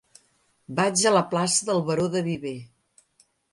Vaig a la plaça del Baró de Viver.